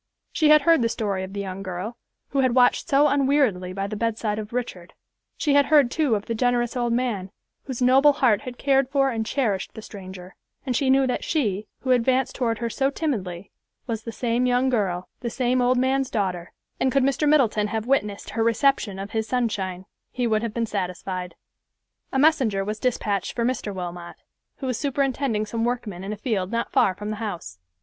She had heard the story of the young girl, who had watched so unweariedly by the bedside of Richard—she had heard, too, of the generous old man, whose noble heart had cared for and cherished the stranger, and she knew that she, who advanced toward her so timidly, was the same young girl, the same old man's daughter; and could Mr. Middleton have witnessed her reception of his Sunshine, he would have been satisfied. A messenger was dispatched for Mr. Wilmot, who was superintending some workmen in a field not far from the house.